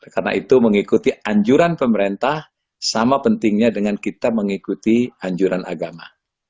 karena itu mengikuti anjuran pemerintah sama pentingnya dengan kita mengikuti anjuran agama